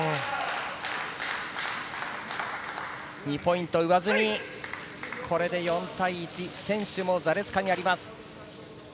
２ポイントを上積み、これで４対１、先取もザレツカにあります。